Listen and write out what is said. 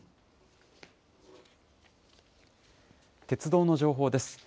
鉄道の情報です。